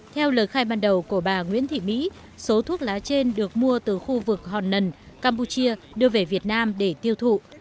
theo lời khai ban đầu của bà nguyễn thị mỹ số thuốc lá trên được mua từ khu vực hòn nần campuchia đưa về việt nam để tiêu thụ